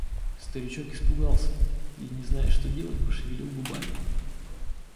Старичок испугался и, не зная, что делать, пошевелил губами.